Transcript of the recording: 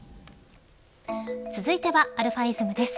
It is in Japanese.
続いてはαｉｓｍです。